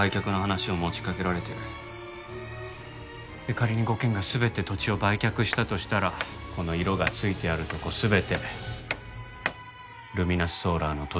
仮に５軒が全て土地を売却したとしたらこの色がついているとこ全てルミナスソーラーの土地になる。